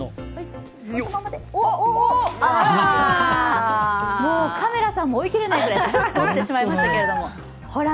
あもうカメラさんも追いきれないくらいスッと落ちてしまいましたけれども。